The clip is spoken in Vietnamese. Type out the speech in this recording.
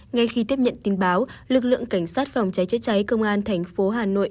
ngay khi tiếp nhận tin báo lực lượng cảnh sát phòng cháy chữa cháy công an thành phố hà nội